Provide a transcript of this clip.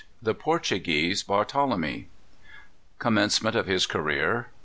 The Portuguese Barthelemy. Commencement of his Career.